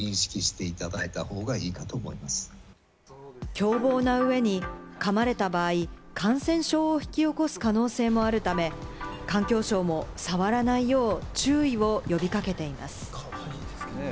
凶暴な上に、噛まれた場合、感染症を引き起こす可能性もあるため、環境省も触らないよう注意を呼び掛けています。